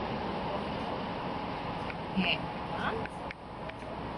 হ্যা, না?